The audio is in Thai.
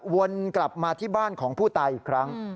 วนกลับมาที่บ้านของผู้ตายอีกครั้ง